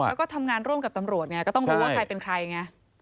แล้วก็ทำงานร่วมกับตำรวจไงก็ต้องรู้ว่าใครเป็นใครไง